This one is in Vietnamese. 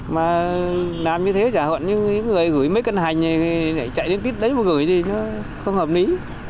mà làm như thế chả gọi những người gửi mấy cân hành để chạy đến tít đấy mà gửi thì nó không hợp lý